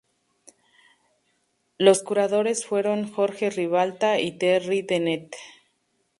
Los curadores fueron Jorge Ribalta y Terry Dennett.